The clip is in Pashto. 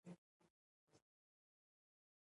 سرناخلاصه سړی همېشه جنجالي وي.